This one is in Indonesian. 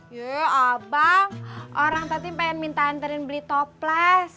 iya abang orang tadi minta anterin beli toples